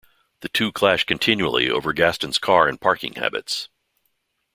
The two clash continually over Gaston's car and parking habits.